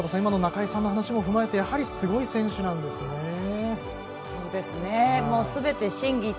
今の中井さんの話も踏まえてやはりすごい選手なんですね。